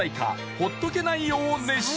「ほっとけないよ」を熱唱